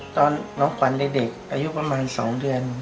ตอนน้องขวัญเด็กอายุประมาณ๒เดือน